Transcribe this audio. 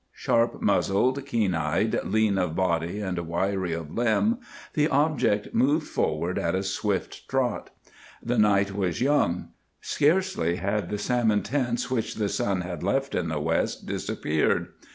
Sharp muzzled, keen eyed, lean of body and wiry of limb, the object moved forward at a swift trot. The night was young. Scarcely had the salmon tints which the sun had left in the west disappeared.